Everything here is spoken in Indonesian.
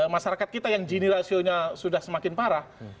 masyarakat kita yang gini rasionya sudah semakin parah